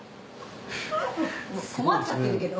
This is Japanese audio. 困っちゃってるけど。